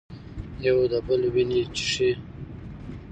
یو د بل وینې څښي.